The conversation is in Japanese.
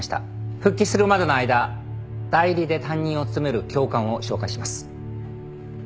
復帰するまでの間代理で担任を務める教官を紹介します。